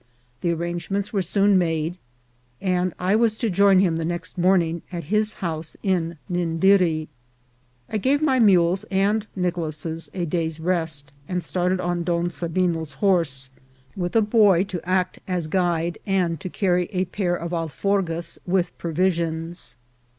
The arrangements were soon made, and I was to join him the next morning at his house in Nindiri. I gave my mules and Nicolas a day's rest, and started on Don Sabino's horse, with a boy to act as guide and to carry a pair of alforgas with provisions.